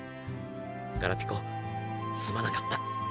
ガラピコすまなかった。